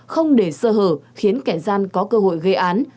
không để sơ hở khiến kẻ gian có cơ hội gây án